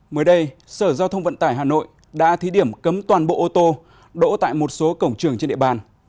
mới đây sở giao thông vận tải hà nội đã thí điểm cấm toàn bộ ô tô đỗ tại một số cổng trường trên địa bàn